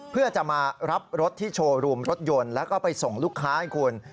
เพื่อจะมารับรถที่โชว์รูมรถยนต์แล้วก็ไปส่งลูกค้าให้คุณ